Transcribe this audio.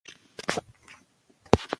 د فيمينستانو په اند له ښځو سره تبعيض